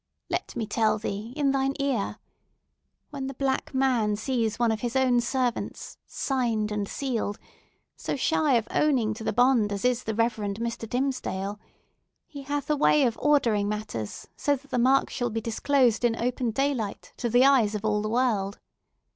Let me tell thee in thine ear! When the Black Man sees one of his own servants, signed and sealed, so shy of owning to the bond as is the Reverend Mr. Dimmesdale, he hath a way of ordering matters so that the mark shall be disclosed, in open daylight, to the eyes of all the world!